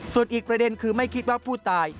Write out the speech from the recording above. ส่วนอีกประเด็นคือไม่คิดว่าผู้ตาย